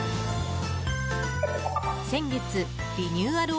先月リニューアル